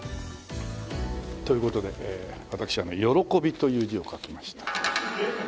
という事で私「喜び」という字を書きました。